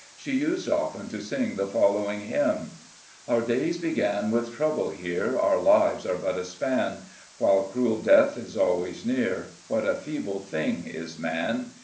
She used often to sing the following hymn —" Our days began with trouble here, Our lives are but a span, EARLY LIFE. 15 While cruel death is always near — What a feeble thing is man